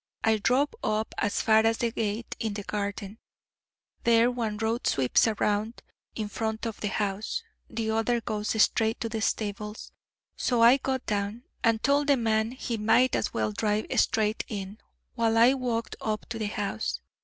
I drove up as far as the gate in the garden; there one road sweeps round in front of the house, the other goes straight to the stables; so I got down, and told the man he might as well drive straight in, while I walked up to the house.